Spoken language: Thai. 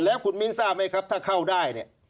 แล้วขุดมินทราบไหมครับถ้าเข้าได้